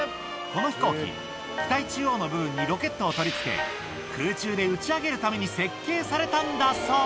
この飛行機、機体中央の部分にロケットを取り付け、空中で打ち上げるために設計されたんだそう。